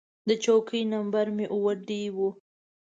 د چوکۍ نمبر مې اووه ډي و.